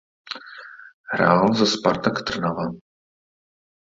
Hrál za Spartak Trnava.